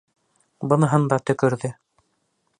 Быныһын да төкөрҙө.